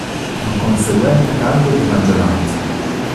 Con conseguente cambio di maggioranza.